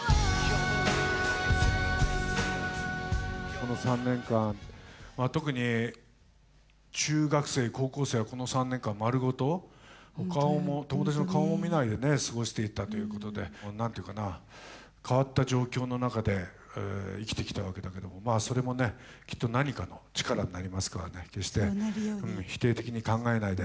この３年間まあ特に中学生高校生はこの３年間丸ごと友達の顔も見ないでね過ごしていたということで何て言うかな変わった状況の中で生きてきたわけだけどまあそれもねきっと何かの力になりますからね決して否定的に考えないで。